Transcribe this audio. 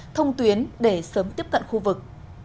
thông tuyến để sớm tiếp cận khu vực